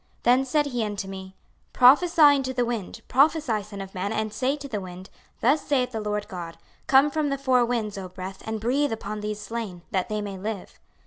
26:037:009 Then said he unto me, Prophesy unto the wind, prophesy, son of man, and say to the wind, Thus saith the Lord GOD; Come from the four winds, O breath, and breathe upon these slain, that they may live.